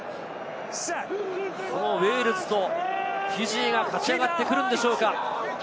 ウェールズとフィジーが勝ち上がってくるんでしょうか？